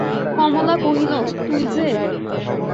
কমলা কহিল, তুই যে!